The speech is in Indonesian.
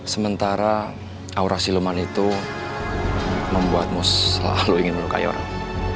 sementara aura sileman itu membuatmu selalu ingin melukai orang